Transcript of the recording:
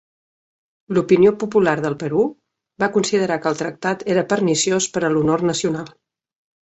L'opinió popular del Perú va considerar que el tractat era perniciós per a l'honor nacional.